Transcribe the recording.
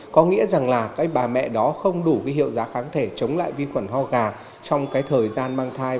có nghĩa rằng là các bà mẹ đó không đủ cái hiệu giá kháng thể chống lại vi khuẩn ho gà trong cái thời gian mang thai